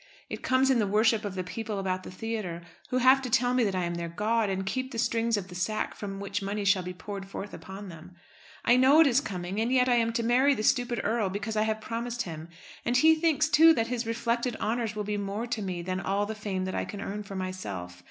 It comes in the worship of the people about the theatre, who have to tell me that I am their god, and keep the strings of the sack from which money shall be poured forth upon them. I know it is coming, and yet I am to marry the stupid earl because I have promised him. And he thinks, too, that his reflected honours will be more to me than all the fame that I can earn for myself.